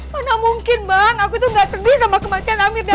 mana mungkin bang aku tuh gak sedih sama kematian amir deh